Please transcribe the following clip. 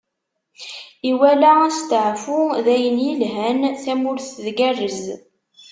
Iwala asteɛfu d ayen yelhan, tamurt tgerrez.